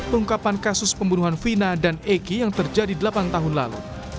pengungkapan kasus pembunuhan vina dan eki yang terjadi delapan tahun lalu